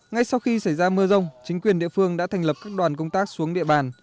ngay sau khi xảy ra mưa rông chính quyền địa phương đã thành lập các đoàn công tác xuống địa bàn